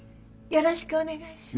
よろしくお願いします。